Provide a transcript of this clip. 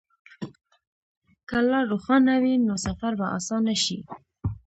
که لار روښانه وي، نو سفر به اسانه شي.